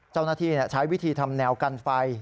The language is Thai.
เจ้าหน้าที่ใช้วิธีทำแนวกันไฟ